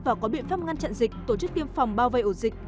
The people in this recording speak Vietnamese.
và có biện pháp ngăn chặn dịch tổ chức tiêm phòng bao vây ổ dịch